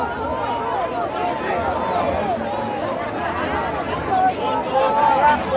สวัสดีครับ